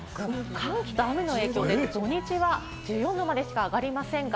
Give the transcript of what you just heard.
寒気と雨の影響で土日は１４度までしか上がりません。